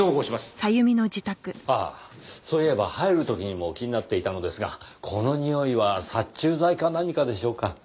ああそういえば入る時にも気になっていたのですがこのにおいは殺虫剤か何かでしょうか？